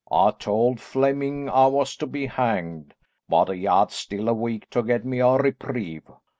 I told Flemming I was to be hanged, but he had still a week to get me a reprieve.